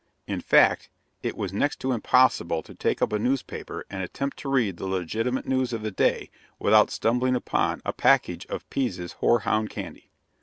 In fact, it was next to impossible to take up a newspaper and attempt to read the legitimate news of the day without stumbling upon a package of "Pease's Hoarhound Candy."